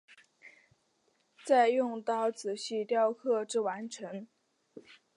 再用刀仔细雕刻至完成。